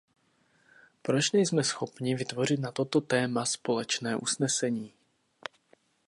Proč nejsme schopni vytvořit na toto téma společné usnesení?